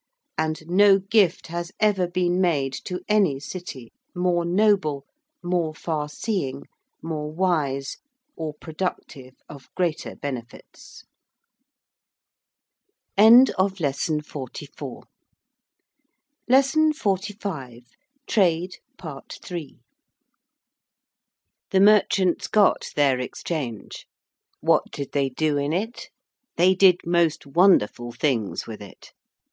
And no gift has ever been made to any city more noble, more farseeing, more wise, or productive of greater benefits. 45. TRADE. PART III. The merchants got their Exchange. What did they do in it? They did most wonderful things with it.